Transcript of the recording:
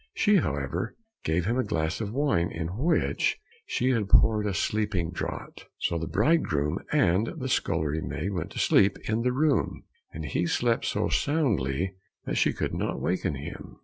She, however, gave him a glass of wine in which she had poured a sleeping draught. So the bridegroom and the scullery maid went to sleep in the room, and he slept so soundly that she could not waken him.